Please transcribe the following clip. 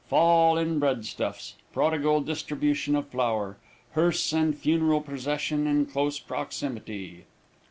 Fall in breadstuffs. Prodigal distribution of flour. Hearse and funeral procession in close proximity.